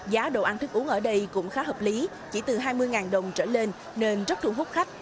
giá đồ ăn thức uống ở đây cũng khá hợp lý chỉ từ hai mươi đồng trở lên nên rất thu hút khách